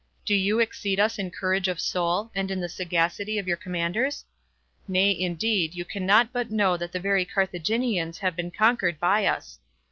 Do you exceed us in courage of soul, and in the sagacity of your commanders? Nay, indeed, you cannot but know that the very Carthaginians have been conquered by us.